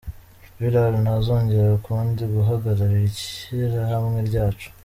"Villar ntazongera ukundi guhagararira ishyirahamwe ryacu".